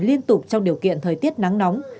liên tục trong điều kiện thời tiết nắng nóng